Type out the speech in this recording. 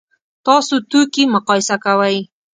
تاسو توکي مقایسه کوئ؟